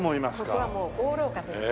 ここはもう大廊下といって。